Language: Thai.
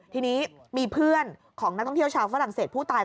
ทีนี้มีเพื่อนของนักท่องเที่ยวชาวฝรั่งเศสผู้ตาย